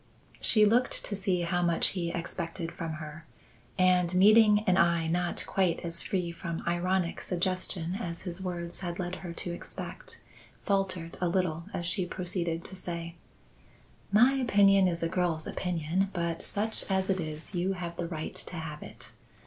She looked to see how much he expected from her, and, meeting an eye not quite as free from ironic suggestion as his words had led her to expect, faltered a little as she proceeded to say: "My opinion is a girl's opinion, but such as it is you have the right to have it.